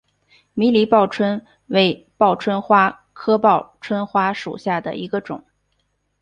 迷离报春为报春花科报春花属下的一个种。